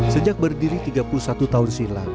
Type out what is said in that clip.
sejak berdiri tiga puluh satu tahun silam